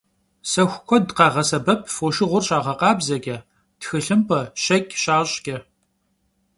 Sexu kued khağesebep foşşığur şağekhabzeç'e, txılhımp'e, şeç' şaş'ç'e.